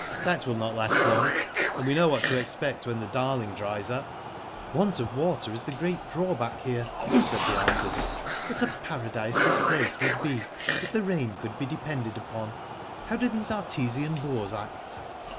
That will not last long, and we know what to expect when the Darling dries up." *' Want of water is the great drawback here," said the artist. What a paradise this place would be, if the rain could be depended upon. How do these artesian bores act?"